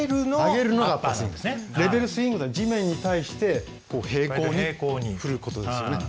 レベルスイングは地面に対してこう平行に振ることですよね。